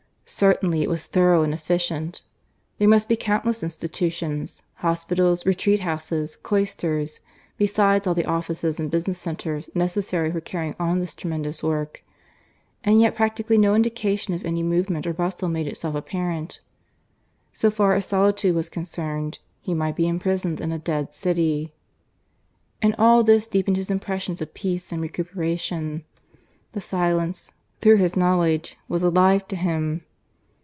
Certainly it was thorough and efficient. There must be countless institutions hospitals, retreat houses, cloisters, besides all the offices and business centres necessary for carrying on this tremendous work; and yet practically no indication of any movement or bustle made itself apparent. So far as solitude was concerned, he might be imprisoned in a dead city. And all this deepened his impressions of peace and recuperation. The silence, through his knowledge, was alive to him.